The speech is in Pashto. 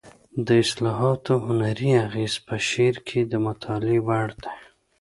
د اصطلاحاتو هنري اغېز په شعر کې د مطالعې وړ دی